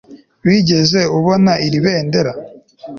Wigeze ubona iri bendera